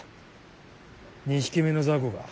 ２匹目の雑魚か。